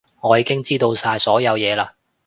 我已經知道晒所有嘢嘞